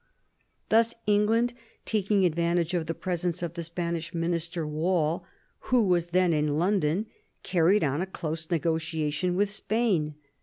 Thus England, taking advantage of the presence of the Spanish minister Wall, who was then in London, carried on a close negotiation with Spain.